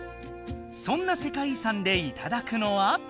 そんな世界遺産でいただくのは？